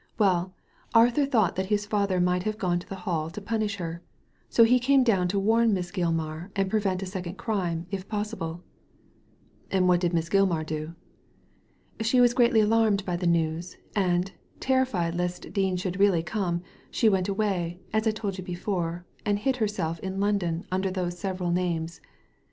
Well, Arthur thought that his father might have gone to the Hall to punish her ; so he came down to warn Miss Gilmar and prevent a second crime, if possible." " And what did Miss Gilmar do? " "She was greatly alarmed by the news; and, terrified lest Dean should really come, she went away, as I told you before, and hid herself in London under those several names.